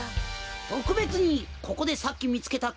とくべつにここでさっきみつけたきん